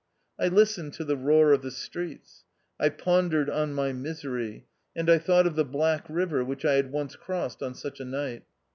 I listened to the roar of the streets. I pondered on my misery ; and I thought of the black river which T had once crossed on such a night.